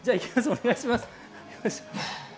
お願いします。